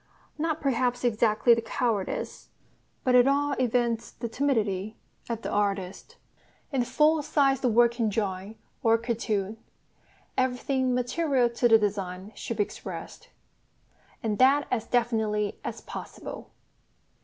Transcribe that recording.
not perhaps exactly the cowardice, but at all events the timidity, of the artist. In a full sized working drawing or cartoon everything material to the design should be expressed, and that as definitely as possible.